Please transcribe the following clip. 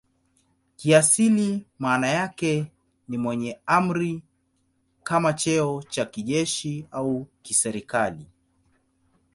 Kiasili maana yake ni "mwenye amri" kama cheo cha kijeshi au kiserikali.